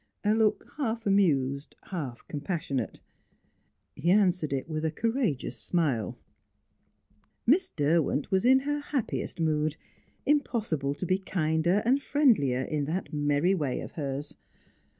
A look half amused, half compassionate; he answered it with a courageous smile. Miss Derwent was in her happiest mood; impossible to be kinder and friendlier in that merry way of hers.